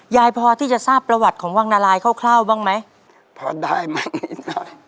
ยายพอที่จะทราบประวัติของวังนารายเข้าเข้าบ้างไหมพอได้มานิดหน่อย